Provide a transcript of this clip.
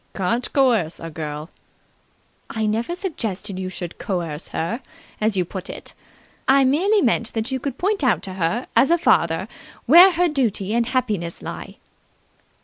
"Can't coerce a girl." "I never suggested that you should coerce her, as you put it. I merely meant that you could point out to her, as a father, where her duty and happiness lie."